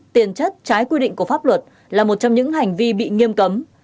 tiền chất trái quy định của pháp luật là một trong những hành vi bị nghiêm cấm